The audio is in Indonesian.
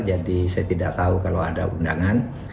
jadi saya tidak tahu kalau ada undangan